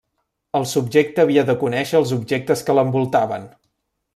El subjecte havia de conèixer els objectes que l'envoltaven.